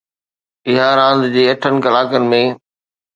اها راند جي اٺن ڪلاڪن ۾